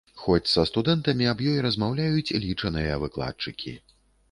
Хоць са студэнтамі аб ёй размаўляюць лічаныя выкладчыкі.